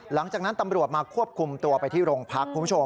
หลังจากนั้นตำรวจมาครบคุมตัวไปที่โรงพัก